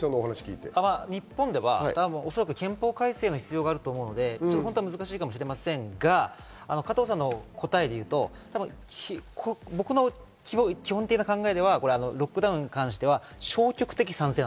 日本ではおそらく憲法改正の必要があると思うので、難しいかもしれませんが、加藤さんの答えでいうと、僕の基本的な考えではロックダウンに関しては、消極的賛成。